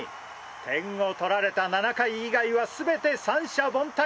点を取られた７回以外は全て三者凡退！